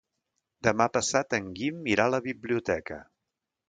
Demà passat en Guim irà a la biblioteca.